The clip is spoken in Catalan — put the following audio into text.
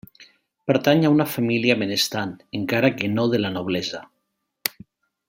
Pertanya a una família benestant encara que no de la noblesa.